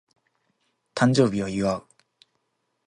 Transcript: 誕生日を祝う